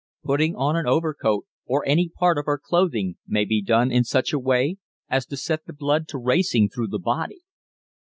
Putting on an overcoat, or any part of our clothing, may be done in such a way as to set the blood to racing through the body.